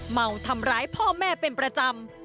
เมาทำร้ายพ่อแม่เป็นประจำ